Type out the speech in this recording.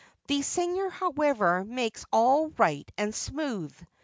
The singer, however, makes all right and smooth!